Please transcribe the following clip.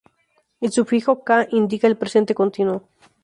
El sufijo -ka indica el presente continuo.